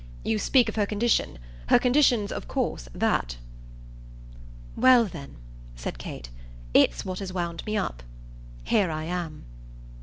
You speak of her condition. Her condition's of course that." "Well then," said Kate, "it's what has wound me up. Here I am."